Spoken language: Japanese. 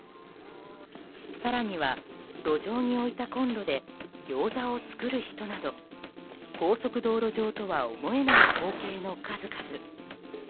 更には、路上に置いたコンロでギョーザを作る人など高速道路上とは思えない光景の数々。